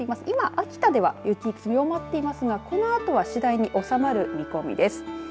今、秋田では雪強まっていますがこのあとは次第に収まる見込みです。